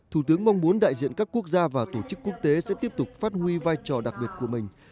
thủ tướng mong muốn đại diện các quốc gia và tổ chức quốc tế sẽ tiếp tục phát huy vai trò đặc biệt của mình